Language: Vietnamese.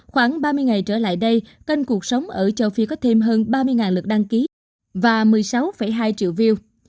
khoảng ba mươi ngày trở lại đây kênh cuộc sống ở châu phi có thêm hơn ba mươi lực đăng ký và một mươi sáu hai triệu view